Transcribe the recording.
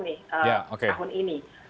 nih tahun ini